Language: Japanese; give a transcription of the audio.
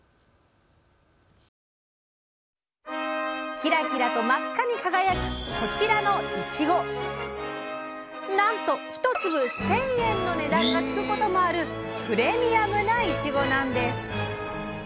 キラキラと真っ赤に輝くこちらのなんと一粒１，０００円の値段がつくこともあるプレミアムないちごなんです！